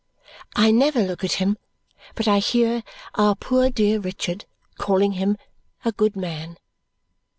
I never look at him but I hear our poor dear Richard calling him a good man.